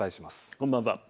こんばんは。